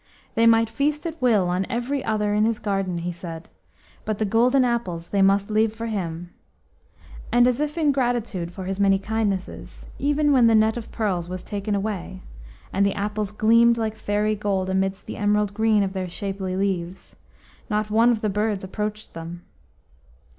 They might feast at will on every other tree in his garden, he said, but the golden apples they must leave for him; and as if in gratitude for his many kindnesses, even when the net of pearls was taken away, and the apples gleamed like fairy gold amidst the emerald green of their shapely leaves, not one of the birds approached them.